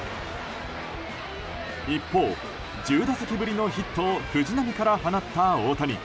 一方、１０打席ぶりのヒットを藤浪から放った大谷。